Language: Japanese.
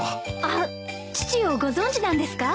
あっ父をご存じなんですか？